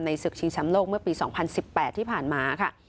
ในศึกชิงช้ำโลกเมื่อปี๒๐๑๘ที่ผ่านมา